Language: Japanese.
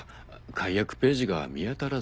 解約ページが見当たらず。